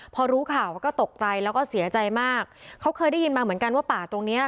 พอรู้ข่าวก็ตกใจแล้วก็เสียใจมากเขาเคยได้ยินมาเหมือนกันว่าป่าตรงเนี้ย